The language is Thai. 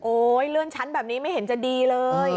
เลื่อนชั้นแบบนี้ไม่เห็นจะดีเลย